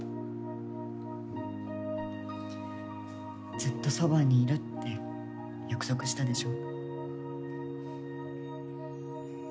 ずっとそばにいるって約束したでしょ？